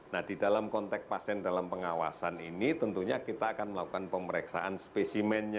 nah di dalam konteks pasien dalam pengawasan ini tentunya kita akan melakukan pemeriksaan spesimennya